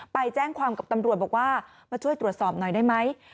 ไปแจ้งความกับตำรวจบอกว่ามาช่วยตรวจสอบหน่อยได้ไหม